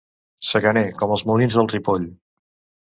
Secaner com els molins del Ripoll.